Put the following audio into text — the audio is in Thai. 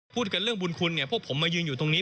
พูดกันเรื่องบุญคุณเนี่ยพวกผมมายืนอยู่ตรงนี้